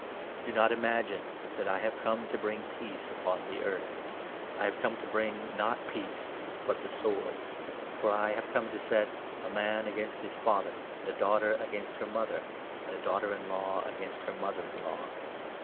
The cost D° n°t ima§Tme that I have come to bring of Christ's peace upon the earth. I have come to bring, not Service, peace, but the sword. For I have come to set — 'a man against his father, and a daughter against her mother, and a daughter in law against her mother in law.